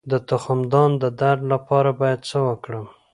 د تخمدان د درد لپاره باید څه وکړم؟